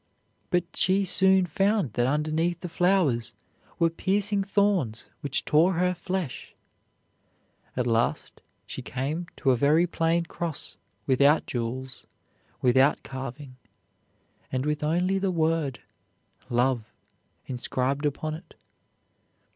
But she soon found that underneath the flowers were piercing thorns which tore her flesh. At last she came to a very plain cross without jewels, without carving, and with only the word, "Love," inscribed upon it.